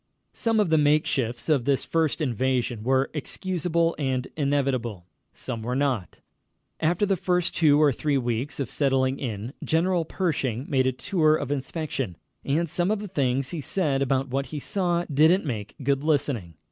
Some of the makeshifts of this first invasion were excusable and inevitable. Some were not. After the first two or three weeks of settling in, General Pershing made a tour of inspection, and some of the things he said about what he saw didn't make good listening.